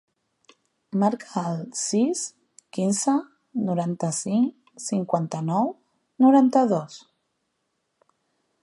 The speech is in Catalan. Marca el sis, quinze, noranta-cinc, cinquanta-nou, noranta-dos.